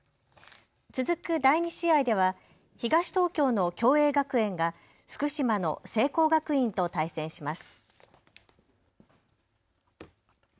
続く第２試合では東東京の共栄学園が福島の聖光学院と対戦します。